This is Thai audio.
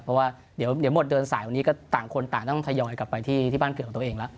เพราะว่าเดี๋ยวหมดเดินสายวันนี้ก็ต่างคนต่างต้องทยอยกลับไปที่บ้านเกิดของตัวเองแล้ว